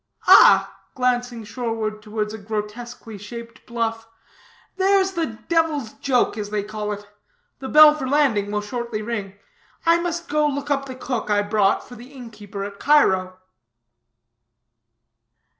Ah," glancing shoreward, towards a grotesquely shaped bluff, "there's the Devil's Joke, as they call it: the bell for landing will shortly ring. I must go look up the cook I brought for the innkeeper at Cairo."